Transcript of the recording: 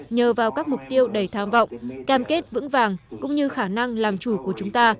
nhờ vào các mục tiêu đầy tham vọng cam kết vững vàng cũng như khả năng làm chủ của chúng ta